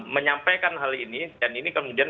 menyampaikan hal ini dan ini kemudian